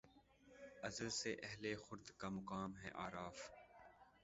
ازل سے اہل خرد کا مقام ہے اعراف